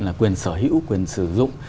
là quyền sở hữu quyền sử dụng